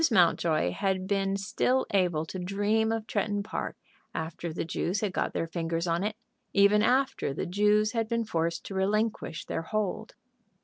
Mountjoy had been still able to dream of Tretton Park, after the Jews had got their fingers on it, even after the Jews had been forced to relinquish their hold.